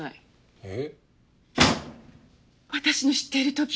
えっ？